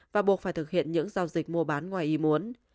và buộc phải thực hiện những giao dịch mua bán ngoài y muốn